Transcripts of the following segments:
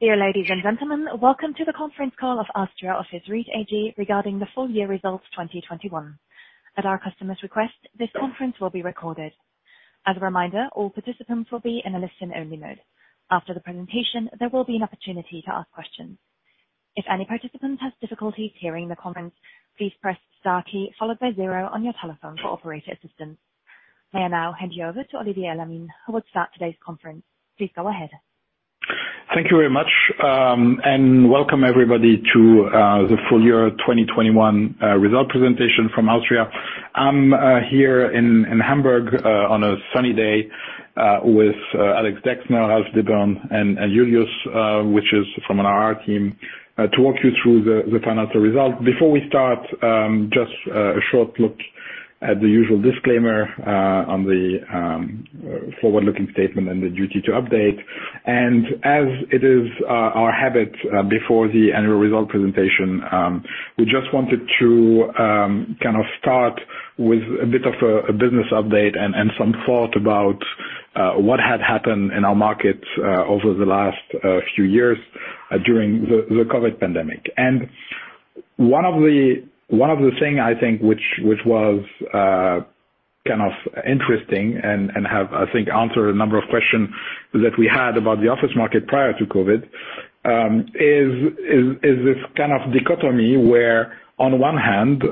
Dear ladies and gentlemen, welcome to the conference call of alstria office REIT-AG regarding the full-year results 2021. At our customer's request, this conference will be recorded. As a reminder, all participants will be in a listen-only mode. After the presentation, there will be an opportunity to ask questions. If any participant has difficulty hearing the conference, please press star key followed by zero on your telephone for operator assistance. I will now hand you over to Olivier Elamine, who will start today's conference. Please go ahead. Thank you very much, and welcome everybody to the full-year 2021 result presentation from alstria. I'm here in Hamburg on a sunny day with Alexander Dexne, Ralf Dibbern, and Julius, which is from our IR team, to walk you through the financial results. Before we start, just a short look at the usual disclaimer on the forward-looking statement and the duty to update. As it is our habit, before the annual result presentation, we just wanted to kind of start with a bit of a business update and some thought about what had happened in our markets over the last few years during the COVID-19 pandemic. One of the things I think which was kind of interesting and have, I think, answered a number of questions that we had about the office market prior to COVID-19 is this kind of dichotomy where on one hand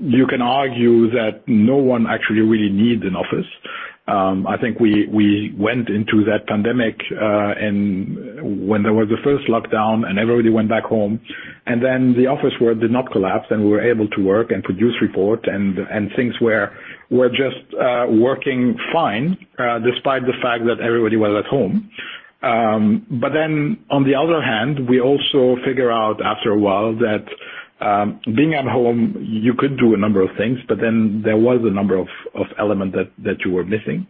you can argue that no one actually really needs an office. I think we went into that pandemic and when there was the first lockdown and everybody went back home, and then the office world did not collapse, and we were able to work and produce report and things were just working fine despite the fact that everybody was at home. On the other hand, we also figure out after a while that, being at home, you could do a number of things, but then there was a number of elements that you were missing.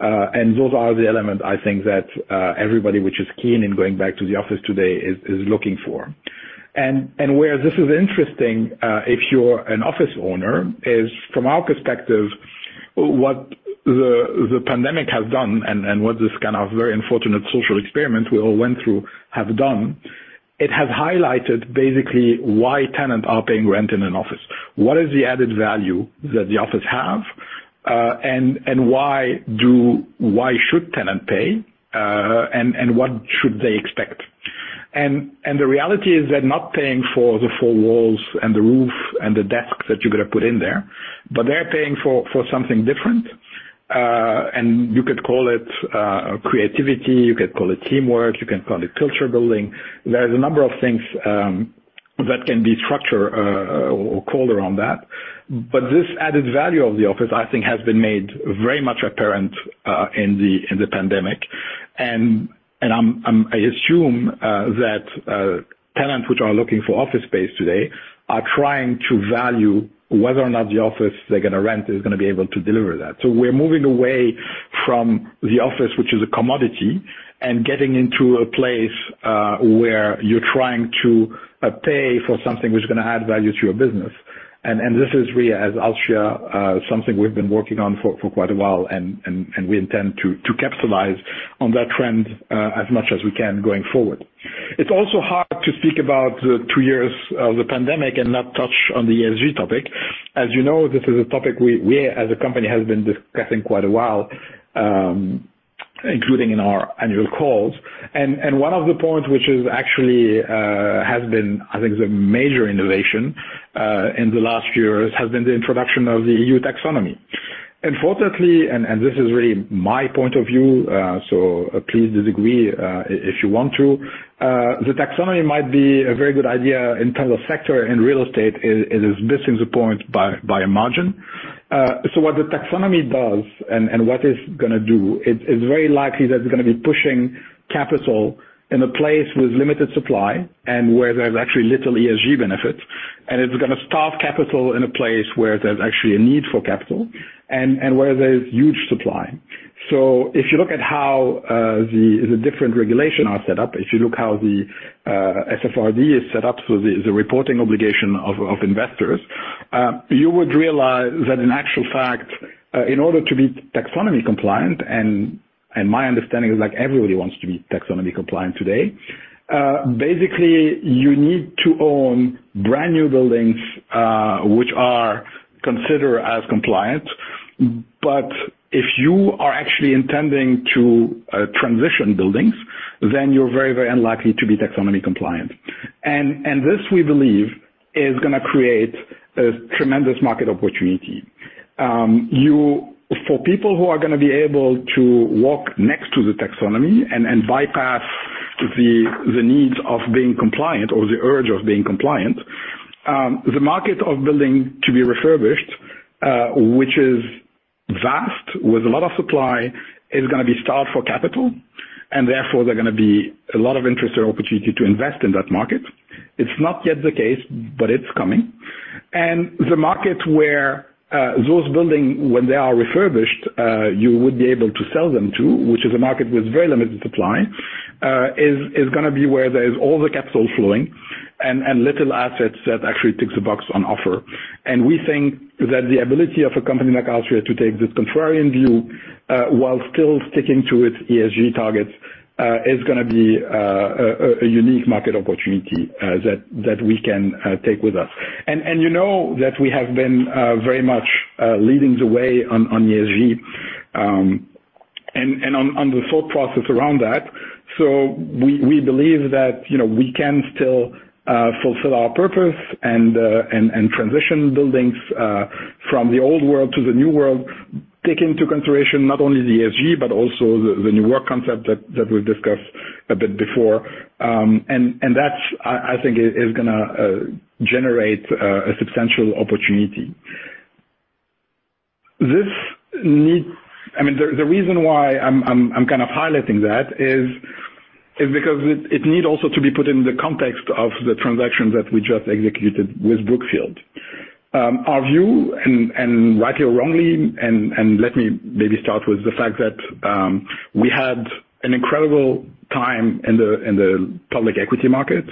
And those are the elements I think that everybody which is keen in going back to the office today is looking for. Where this is interesting, if you're an office owner, is from our perspective, what the pandemic has done and what this kind of very unfortunate social experiment we all went through have done, it has highlighted basically why tenants are paying rent in an office. What is the added value that the office have, and why should tenant pay, and what should they expect? The reality is they're not paying for the four walls and the roof and the desks that you're gonna put in there, but they are paying for something different. You could call it creativity, you could call it teamwork, you can call it culture building. There's a number of things that can be structured or called around that. But this added value of the office, I think has been made very much apparent in the pandemic. I assume that tenants which are looking for office space today are trying to value whether or not the office they're gonna rent is gonna be able to deliver that. We're moving away from the office, which is a commodity, and getting into a place where you're trying to pay for something which is gonna add value to your business. This is really as alstria something we've been working on for quite a while and we intend to capitalize on that trend as much as we can going forward. It's also hard to speak about the two years of the pandemic and not touch on the ESG topic. As you know, this is a topic we as a company have been discussing quite a while, including in our annual calls. One of the points which actually has been, I think, the major innovation in the last few years has been the introduction of the EU Taxonomy. Unfortunately, this is really my point of view. Please disagree if you want to. The Taxonomy might be a very good idea in terms of sector, and real estate is missing the point by a margin. What the taxonomy does and what it's gonna do is very likely that it's gonna be pushing capital in a place with limited supply and where there's actually little ESG benefits. It's gonna starve capital in a place where there's actually a need for capital and where there's huge supply. If you look at how the different regulation are set up, if you look how the SFDR is set up, the reporting obligation of investors, you would realize that in actual fact, in order to be taxonomy compliant, and my understanding is like everybody wants to be taxonomy compliant today. Basically, you need to own brand-new buildings, which are considered as compliant. But if you are actually intending to transition buildings, then you're very, unlikely to be taxonomy compliant. And this, we believe, is gonna create a tremendous market opportunity. You... For people who are gonna be able to walk next to the Taxonomy and bypass the needs of being compliant or the urge of being compliant, the market of buildings to be refurbished, which is vast with a lot of supply is gonna be starved for capital, and therefore, there are gonna be a lot of interest or opportunity to invest in that market. It's not yet the case, but it's coming. The market where those buildings when they are refurbished you would be able to sell them to, which is a market with very limited supply, is gonna be where there is all the capital flowing and little assets that actually ticks the box on offer. We think that the ability of a company like alstria to take this contrarian view, while still sticking to its ESG targets, is gonna be a unique market opportunity that we can take with us. That we have been very much leading the way on ESG and on the thought process around that. We believe that, we can still fulfill our purpose and transition buildings from the old world to the new world, taking into consideration not only the ESG but also the new work concept that we've discussed a bit before. That's what I think is gonna generate a substantial opportunity. This need... I mean the reason why I'm kind of highlighting that is because it need also to be put in the context of the transaction that we just executed with Brookfield. Our view and rightly or wrongly, let me maybe start with the fact that we had an incredible time in the public equity market,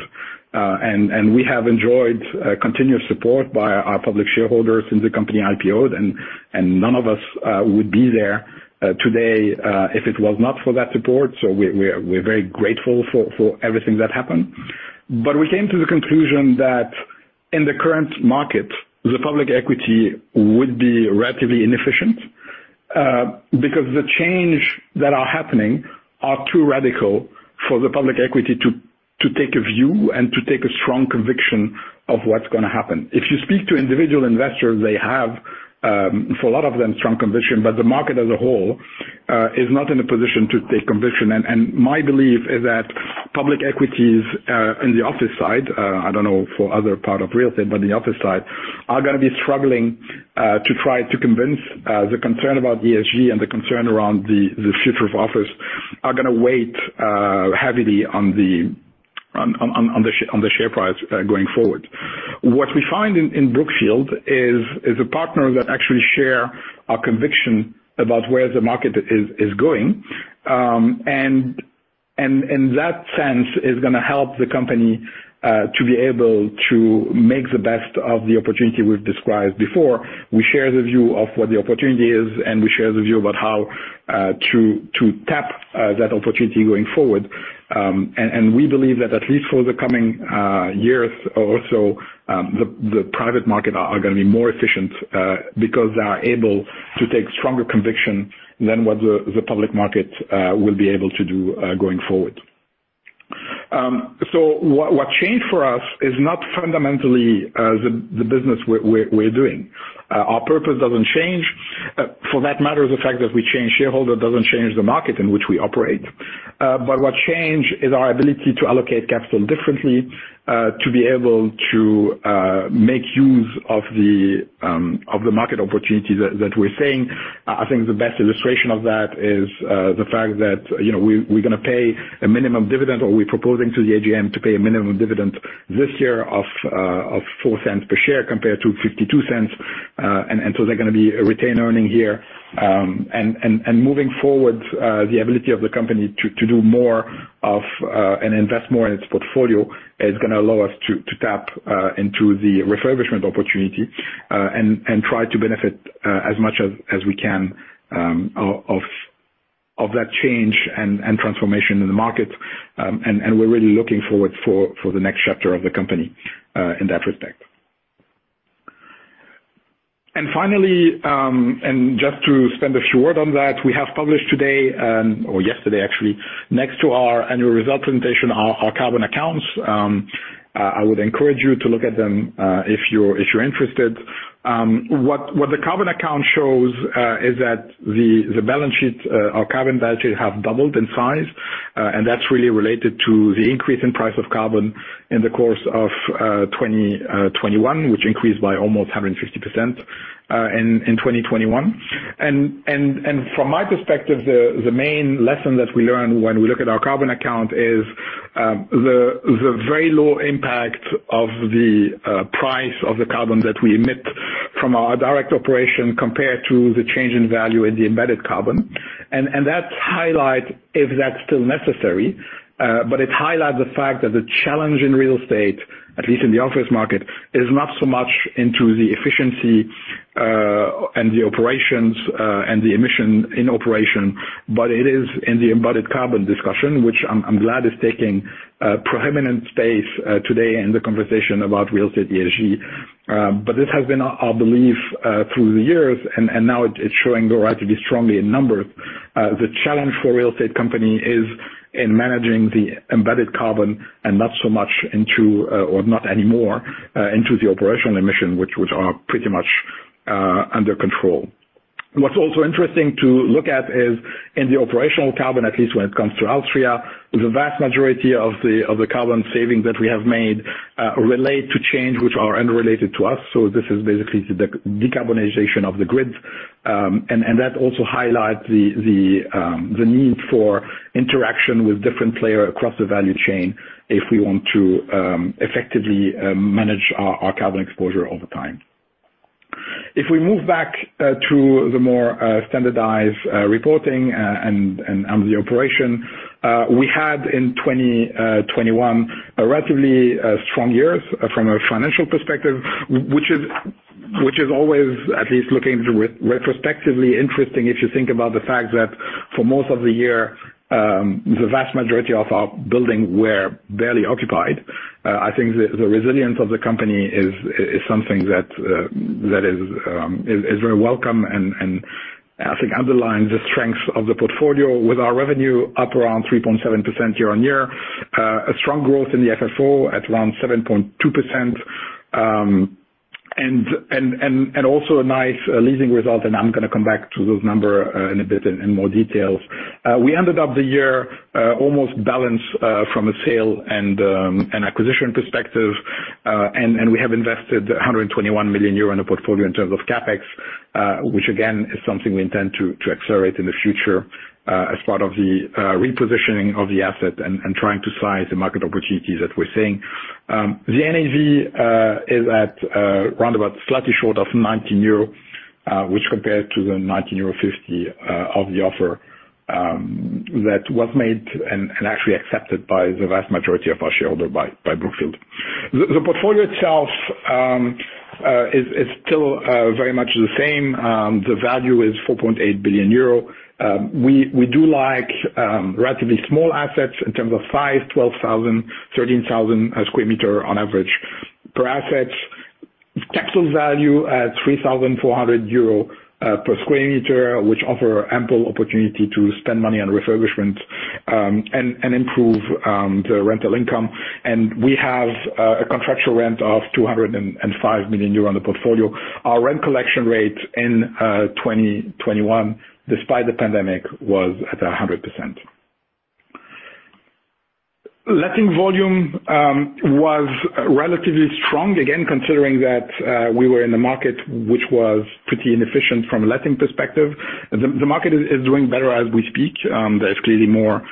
and we have enjoyed continuous support by our public shareholders since the company IPO'd, and none of us would be there today if it was not for that support. We're very grateful for everything that happened. We came to the conclusion that in the current market, the public equity would be relatively inefficient, because the changes that are happening are too radical for the public equity to take a view and to take a strong conviction of what's gonna happen. If you speak to individual investors, they have, for a lot of them, strong conviction. The market as a whole is not in a position to take conviction. My belief is that public equities in the office side, I don't know for other parts of real estate, but the office side, are gonna be struggling to try to convince, the concern about ESG and the concern around the future of office are gonna weigh heavily on the share price going forward. What we find in Brookfield is a partner that actually share our conviction about where the market is going. In that sense is gonna help the company to be able to make the best of the opportunity we've described before. We share the view of what the opportunity is, and we share the view about how to tap that opportunity going forward. We believe that at least for the coming years or so, the private market are gonna be more efficient because they are able to take stronger conviction than what the public market will be able to do going forward. What changed for us is not fundamentally the business we're doing. Our purpose doesn't change. For that matter, the fact that the change of shareholder doesn't change the market in which we operate. What changes is our ability to allocate capital differently, to be able to make use of the market opportunity that we're seeing. I think the best illustration of that is the fact that, you know, we're gonna pay a minimum dividend, or we're proposing to the AGM to pay a minimum dividend this year of 0.04 per share compared to 0.52. So there's gonna be a retained earnings year. Moving forward, the ability of the company to do more of and invest more in its portfolio is gonna allow us to tap into the refurbishment opportunity, and try to benefit as much as we can of that change and transformation in the market. We're really looking forward for the next chapter of the company in that respect. Finally, just to spend a few word on that, we have published today, or yesterday actually, next to our annual result presentation, our carbon accounts. I would encourage you to look at them if you're interested. What the carbon account shows is that the balance sheet, our carbon balance sheet have doubled in size. That's really related to the increase in price of carbon in the course of 2021, which increased by almost 150% in 2021. From my perspective, the main lesson that we learn when we look at our carbon account is the very low impact of the price of the carbon that we emit from our direct operation compared to the change in value in the embedded carbon. That highlights if that's still necessary, but it highlights the fact that the challenge in real estate, at least in the office market, is not so much into the efficiency and the operations and the emissions in operation, but it is in the embedded carbon discussion, which I'm glad is taking predominant space today in the conversation about real estate ESG. This has been our belief through the years, and now it's showing relatively strongly in numbers. The challenge for real estate company is in managing the embedded carbon and not so much into, or not anymore, into the operational emissions, which are pretty much under control. What's also interesting to look at is in the operational carbon, at least when it comes to alstria, the vast majority of the carbon savings that we have made relate to changes, which are unrelated to us. This is basically the decarbonization of the grid. And that also highlights the need for interaction with different players across the value chain if we want to effectively manage our carbon exposure over time. If we move back to the more standardized reporting and the operation, we had in 2021 a relatively strong year from a financial perspective, which is always at least looking retrospectively interesting if you think about the fact that for most of the year, the vast majority of our buildings were barely occupied. I think the resilience of the company is something that is very welcome and I think underlines the strength of the portfolio with our revenue up around 3.7% year-over-year, a strong growth in the FFO at around 7.2%, and also a nice leasing result, and I'm gonna come back to those number in a bit in more details. We ended up the year almost balanced from a sale and an acquisition perspective, and we have invested 121 million euro in the portfolio in terms of CapEx, which again is something we intend to accelerate in the future as part of the repositioning of the asset and trying to size the market opportunities that we're seeing. The NAV is at round about slightly short of 90 euro, which compared to the 19.50 euro of the offer that was made and actually accepted by the vast majority of our shareholder by Brookfield. The portfolio itself is still very much the same. The value is 4.8 billion euro. We do like relatively small assets in terms of 5,000 to 13,000 square meters on average. Per asset, total value at 3,400 euro per square meter, which offer ample opportunity to spend money on refurbishment and improve the rental income. We have a contractual rent of 205 million euro on the portfolio. Our rent collection rate in 2021, despite the pandemic, was at 100%. Letting volume was relatively strong. Again, considering that we were in the market, which was pretty inefficient from a letting perspective. The market is doing better as we speak. There's clearly more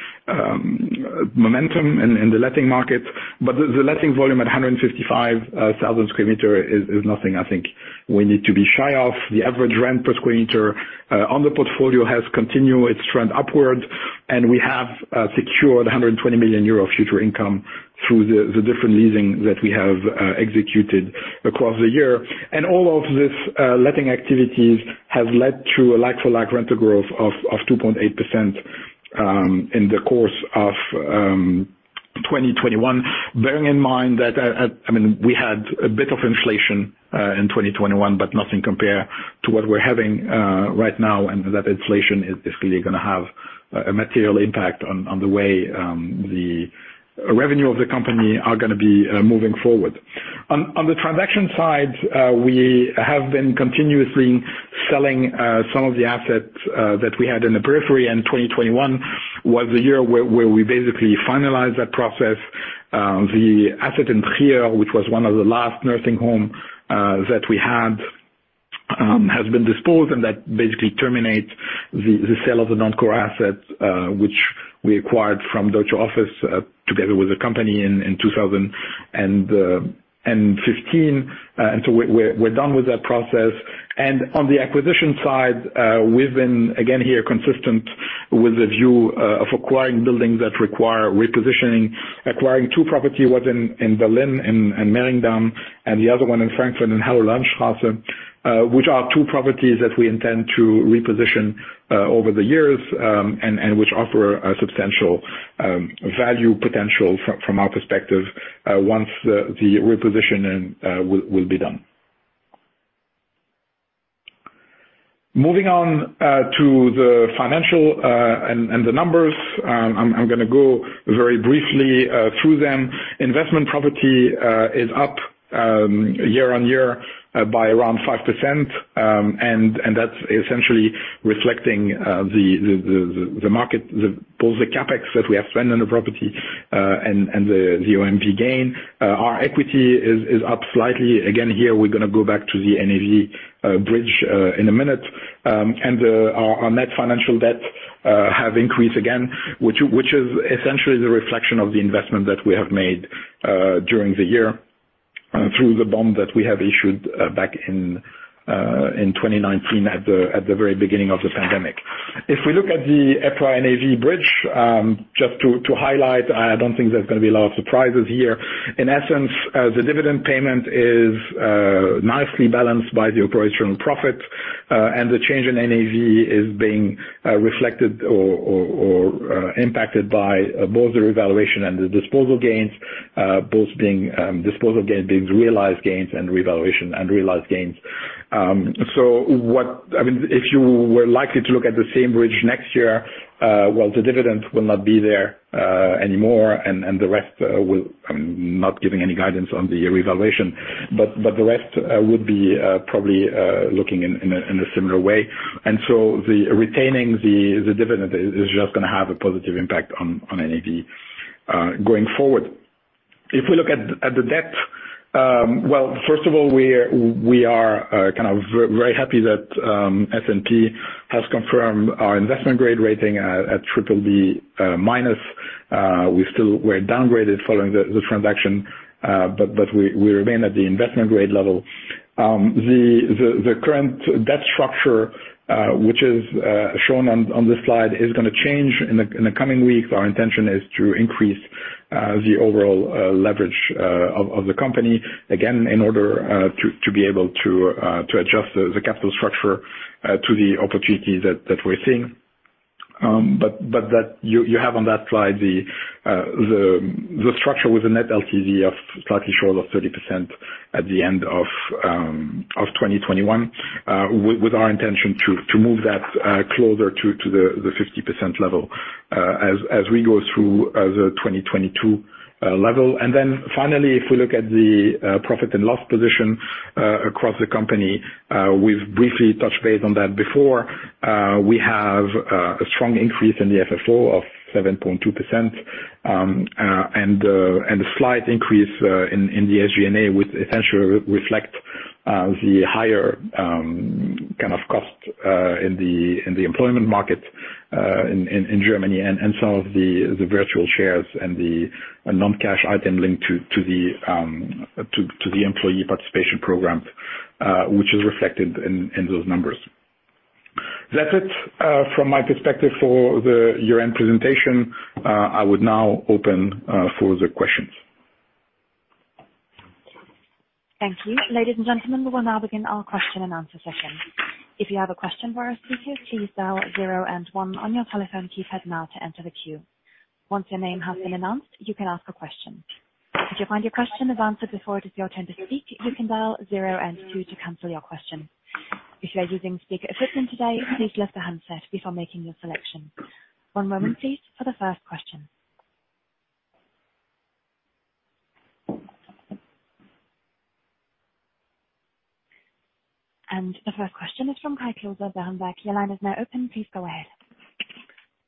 momentum in the letting market. The letting volume at 155,000 square meter is nothing I think we need to be shy of. The average rent per sq m on the portfolio has continued its trend upward. We have secured 120 million euro of future income through the different leasing that we have executed across the year. All of this letting activities have led to a like-for-like rental growth of 2.8% in the course of 2021. Bearing in mind that, I mean, we had a bit of inflation in 2021, but nothing compared to what we're having right now, and that inflation is basically gonna have a material impact on the way the revenue of the company are gonna be moving forward. On the transaction side, we have been continuously selling some of the assets that we had in the periphery, and 2021 was the year where we basically finalized that process. The asset in Heerlen, which was one of the last nursing home that we had, has been disposed, and that basically terminates the sale of the non-core assets, which we acquired from Deutsche Office together with the company in 2015. We're done with that process. On the acquisition side, we've been, again, very consistent with the view of acquiring buildings that require repositioning. Acquiring two properties in Berlin, in Mehringdamm, and the other one in Frankfurt in Heerlener Straße, which are two properties that we intend to reposition over the years, and which offer a substantial value potential from our perspective, once the repositioning will be done. Moving on to the financial and the numbers, I'm gonna go very briefly through them. Investment property is up year-on-year by around 5%, and that's essentially reflecting the market. Both the CapEx that we have spent on the property, and the OMV gain. Our equity is up slightly. Again, here, we're gonna go back to the NAV bridge in a minute. Our net financial debt have increased again, which is essentially the reflection of the investment that we have made during the year through the bond that we have issued back in 2019 at the very beginning of the pandemic. If we look at the EPRA NAV bridge, just to highlight, I don't think there's gonna be a lot of surprises here. In essence, the dividend payment is nicely balanced by the operational profit, and the change in NAV is being reflected or impacted by both the revaluation and the disposal gains, both being disposal gains being realized gains and revaluation unrealized gains. What... I mean, if you were likely to look at the same bridge next year, well, the dividends will not be there anymore, and the rest. I'm not giving any guidance on the revaluation. The rest would be probably looking in a similar way. Retaining the dividend is just gonna have a positive impact on NAV going forward. If we look at the debt, well, first of all, we are kind of very happy that S&P Global Ratings has confirmed our investment grade rating at BBB-. We still were downgraded following the transaction, but we remain at the investment grade level. The current debt structure, which is shown on this slide, is gonna change in the coming weeks. Our intention is to increase the overall leverage of the company. Again, in order to be able to adjust the capital structure to the opportunities that we're seeing. You have on that slide the structure with the net LTV of slightly short of 30% at the end of 2021, with our intention to move that closer to the 50% level, as we go through the 2022 level. Finally, if we look at the profit and loss position across the company, we've briefly touched base on that before. We have a strong increase in the FFO of 7.2%, and a slight increase in the SG&A, which essentially reflect the higher kind of cost in the employment market in Germany and some of the virtual shares and a non-cash item linked to the employee participation program, which is reflected in those numbers. That's it from my perspective for the year-end presentation. I would now open for the questions. Thank you. Ladies and gentlemen, we will now begin our question and answer session. If you have a question for our speakers, please dial zero and one on your telephone keypad now to enter the queue. Once your name has been announced, you can ask a question. If you find your question has answered before it is your turn to speak, you can dial zero and two to cancel your question. If you are using speaker equipment today, please lift the handset before making your selection. One moment please for the first question. The first question is from Kai Klose. Your line is now open. Please go ahead.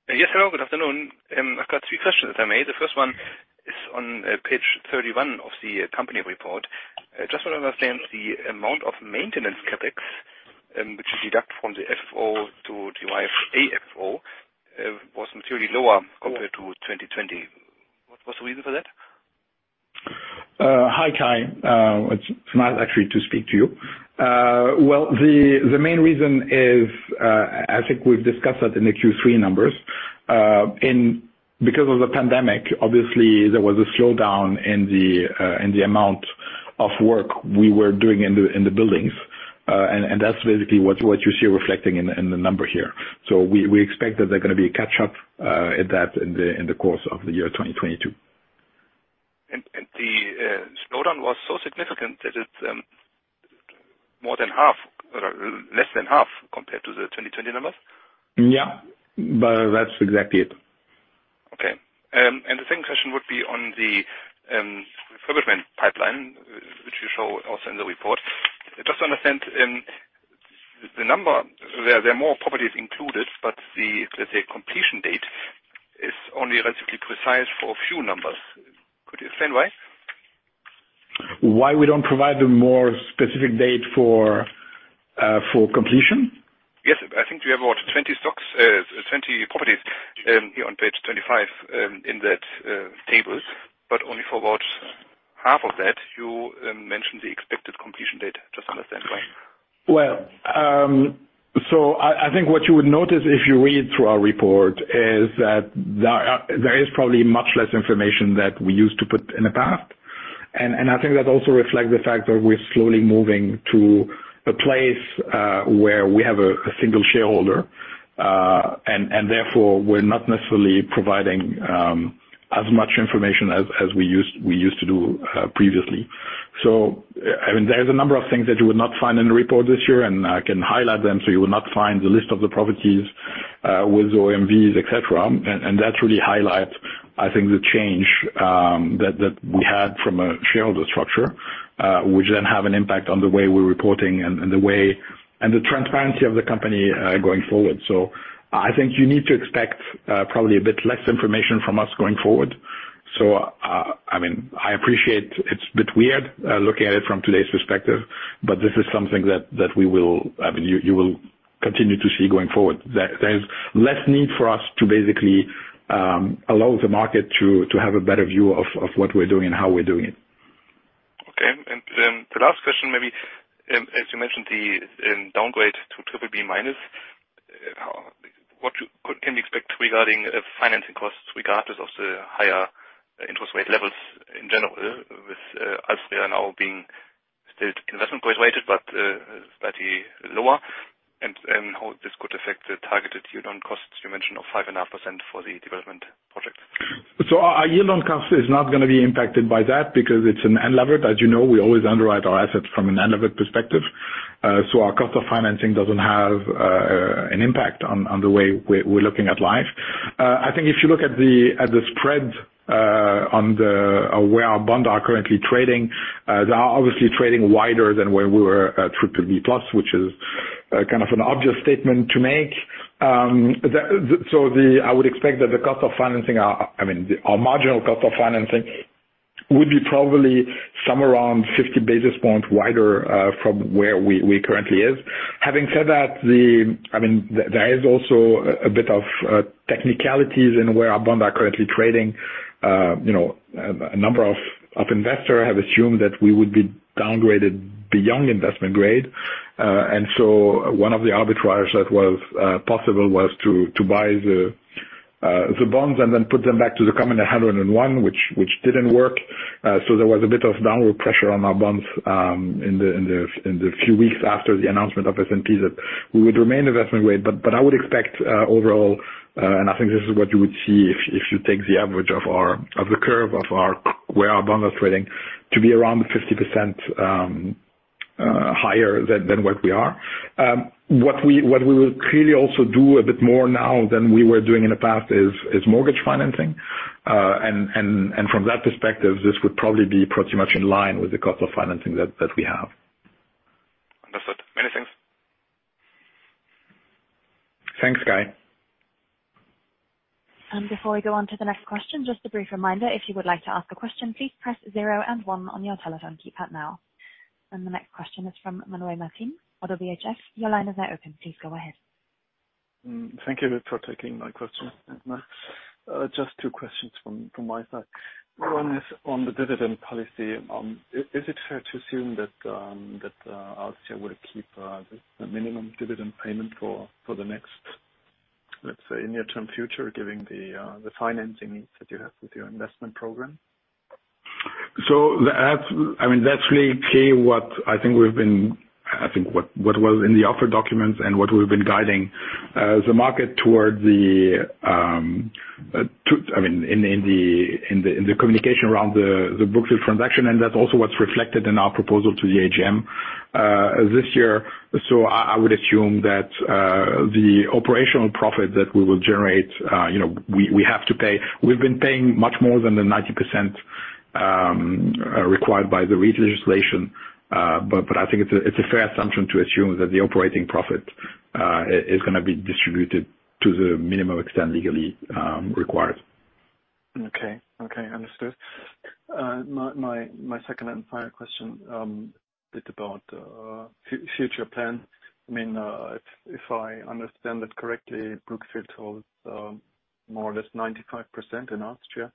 Yes. Hello, good afternoon. I've got three questions to make. The first one is on page 31 of the company report. Just to understand the amount of maintenance CapEx, which is deduct from the FFO to the AFFO, was materially lower compared to 2020. What was the reason for that? Hi, Kai. It's nice actually to speak to you. Well, the main reason is, I think we've discussed that in the Q3 numbers. Because of the pandemic, obviously there was a slowdown in the amount of work we were doing in the buildings. That's basically what you see reflecting in the number here. We expect that they're gonna be a catch up in the course of the year 2022. The slowdown was so significant that it more than half or less than half compared to the 2020 numbers? Yeah. That's exactly it. Okay. The second question would be on the refurbishment pipeline, which you show also in the report. Just to understand, the number where there are more properties included, but the, let's say, completion date is only relatively precise for a few numbers. Could you explain why? Why we don't provide a more specific date for completion? Yes. I think we have about 20 properties here on Page 25 in that table, but only for about half of that, you mentioned the expected completion date. Just to understand why? Well, I think what you would notice if you read through our report is that there is probably much less information that we used to put in the past. I think that also reflects the fact that we're slowly moving to a place where we have a single shareholder, and therefore we're not necessarily providing as much information as we used to do previously. I mean, there's a number of things that you would not find in the report this year, and I can highlight them. You will not find the list of the properties with OMV, et cetera. That really highlights, I think, the change that we had from a shareholder structure which then have an impact on the way we're reporting and the way the transparency of the company going forward. I think you need to expect probably a bit less information from us going forward. I mean, I appreciate it's a bit weird looking at it from today's perspective, but this is something that we will. I mean, you will continue to see going forward. There's less need for us to basically allow the market to have a better view of what we're doing and how we're doing it. Okay. The last question maybe, as you mentioned the downgrade to triple B minus, can we expect regarding financing costs regardless of the higher interest rate levels in general with as they are now being still investment grade rated but slightly lower, and how this could affect the targeted yield on costs you mentioned of 5.5% for the development project? Our yield on cost is not gonna be impacted by that because it's an unlevered. As you know, we always underwrite our assets from an unlevered perspective. Our cost of financing doesn't have an impact on the way we're looking at it. I think if you look at the spread on where our bonds are currently trading, they are obviously trading wider than when we were at BBB+, which is kind of an obvious statement to make. I would expect that the cost of financing our I mean, our marginal cost of financing would be probably somewhere around 50 basis points wider from where we currently are. Having said that, I mean, there is also a bit of technicalities in where our bonds are currently trading. You know, a number of investors have assumed that we would be downgraded beyond investment grade. One of the arbitrage that was possible was to buy the bonds and then put them back to the CoC at 101, which didn't work. There was a bit of downward pressure on our bonds in the few weeks after the announcement of S&P that we would remain investment grade. I would expect overall, and I think this is what you would see if you take the average of the curve of our where our bonds are trading, to be around 50% higher than what we are. What we will clearly also do a bit more now than we were doing in the past is mortgage financing. From that perspective, this would probably be pretty much in line with the cost of financing that we have. Understood. Many thanks. Thanks, Kai Klose. Before we go on to the next question, just a brief reminder, if you would like to ask a question, please press zero and one on your telephone keypad now. The next question is from Manuel Martin of Warburg-HIH Invest. Your line is now open. Please go ahead. Thank you for taking my question. Just two questions from my side. One is on the dividend policy. Is it fair to assume that alstria will keep the minimum dividend payment for the next, let's say, near-term future, given the financing needs that you have with your investment program? I mean, that's really key, what was in the offer documents and what we've been guiding the market towards, I mean, in the communication around the Brookfield transaction, and that's also what's reflected in our proposal to the AGM this year. I would assume that the operational profit that we will generate, we have to pay. We've been paying much more than the 90% required by the REIT legislation. I think it's a fair assumption to assume that the operating profit is gonna be distributed to the minimum extent legally required. Okay. Okay. Understood. My second and final question is about future plans. I mean, if I understand that correctly, Brookfield holds more or less 95% in alstria.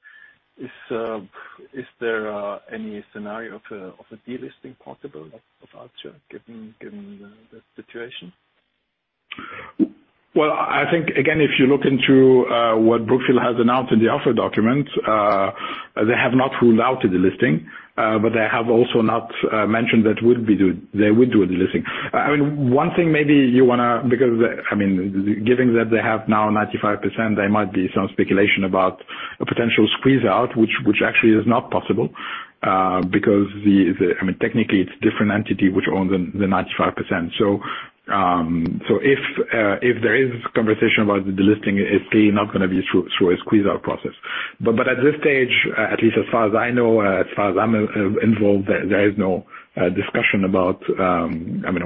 Is there any scenario of a delisting possible of alstria given the situation? Well, I think, again, if you look into what Brookfield has announced in the offer documents, they have not ruled out the delisting, but they have also not mentioned that they would do a delisting. I mean, given that they have now 95%, there might be some speculation about a potential squeeze-out, which actually is not possible, because, I mean, technically, it's a different entity which owns the 95%. If there is conversation about the delisting, it's clearly not gonna be through a squeeze-out process. At this stage, at least as far as I know, as far as I'm involved, there is no discussion about or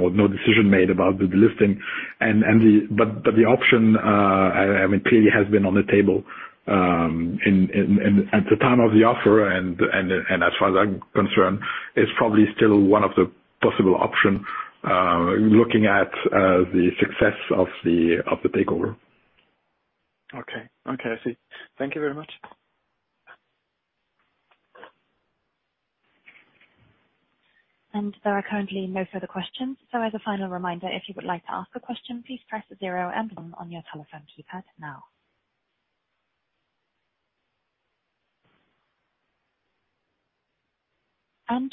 no decision made about the delisting. The option, I mean, clearly has been on the table at the time of the offer, and as far as I'm concerned, it's probably still one of the possible option looking at the success of the takeover. Okay. Okay, I see. Thank you very much. There are currently no further questions. As a final reminder, if you would like to ask a question, please press zero and one on your telephone keypad now.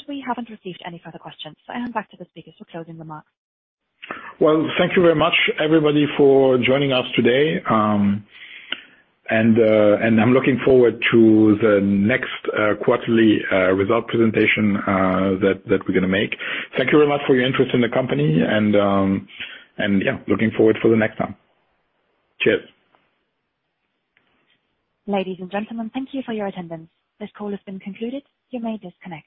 We haven't received any further questions, so I hand back to the speakers for closing remarks. Well, thank you very much, everybody, for joining us today. I'm looking forward to the next quarterly result presentation that we're gonna make. Thank you very much for your interest in the company and yeah, looking forward for the next time. Cheers. Ladies and gentlemen, thank you for your attendance. This call has been concluded. You may disconnect.